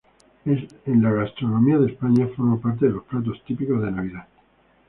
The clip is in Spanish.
En la gastronomía de España forma parte de los platos típicos de Navidad.